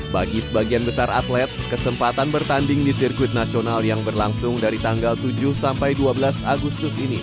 bagi sebagian besar atlet kesempatan bertanding di sirkuit nasional yang berlangsung dari tanggal tujuh sampai dua belas agustus ini